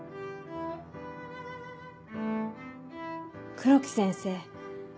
黒木先生